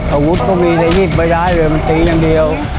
อาวุธก็มีแต่หยิบไม่ได้เลยมันตีอย่างเดียว